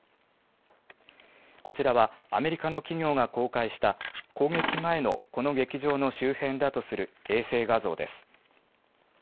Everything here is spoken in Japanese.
こちらはアメリカの企業が公開した攻撃前のこの劇場の周辺だとする衛星画像です。